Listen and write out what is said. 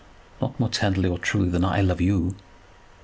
"Not more tenderly or truly than I love you."